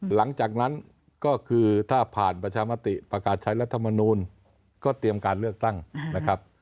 หลังจากนั้นก็คือถ้าผ่านประชามติประกาศใช้รัฐมนูลก็เตรียมการเลือกตั้งนะครับ